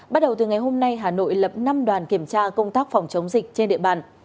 bắt đầu từ ngày hôm nay hà nội lập năm đoàn kiểm tra công tác phòng chống dịch trên địa bàn